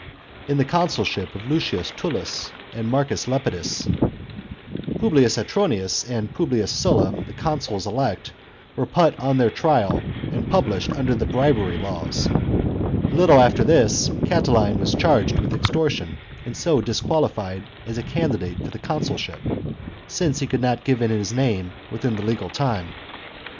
In the consulship of Lucius TuUus and Marcus Lepidus, Publius Autronius, and Publius Sulla, the consuls elect, were put on their trial and punished under the bribery laws. A little after this, Catiline was charged with extortion, and so disquali fied as a candidate for the consulship [since he could not give in his name within the legal time].